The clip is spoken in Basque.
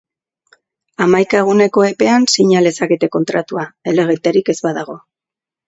Hamaika eguneko epean sina lezakete kontratua, helegiterik ez badago.